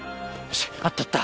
あったあった！